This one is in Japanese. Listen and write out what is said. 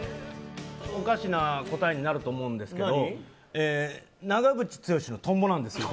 おかしな答えになるんですけど長渕剛の「とんぼ」なんですよ。